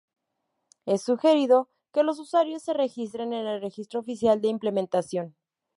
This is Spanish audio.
Es sugerido que los usuarios se registren en el registro oficial de implementación.